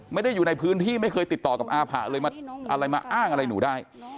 ไม่ได้อยู่ในพื้นที่ไม่เคยติดต่อกับอาผะเลยมาอะไรมาอ้างอะไรหนูได้